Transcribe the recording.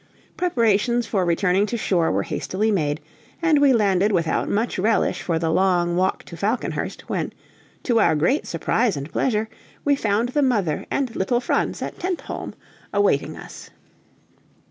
Preparations for returning to shore were hastily made, and we landed without much relish for the long walk to Falconhurst, when, to our great surprise and pleasure, we found the mother and little Franz at Tentholm awaiting us.